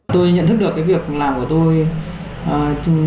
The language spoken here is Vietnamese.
tôi nhận thức được cái việc làm của tôi